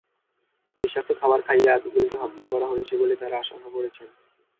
বিষাক্ত খাবার খাইয়ে আতিকুলকে হত্যা করা হয়েছে বলে তাঁরা আশঙ্কা করছেন।